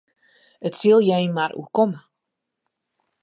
It sil jin mar oerkomme.